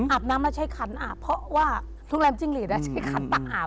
อาบน้ำแล้วใช้ขันอาบเพราะว่าโรงแรมจิ้งหลีดใช้ขันตะอาบ